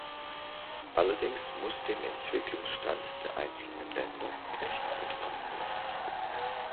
Allerdings muss dem Entwicklungsstand der einzelnen Länder Rechnung getragen werden.